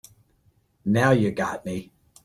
Now you got me.